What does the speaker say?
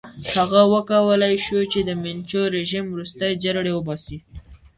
هغه وکولای شو چې د منچو رژیم ورستۍ جرړې وباسي.